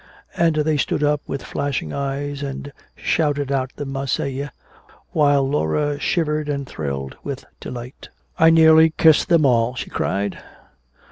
And they stood up with flashing eyes and shouted out the Marseillaise, while Laura shivered and thrilled with delight. "I nearly kissed them all!" she cried.